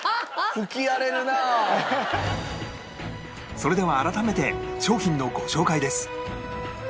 それでは改めて商品のご紹介です